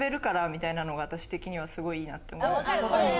みたいなのが、私的にはすごいいいなと思って。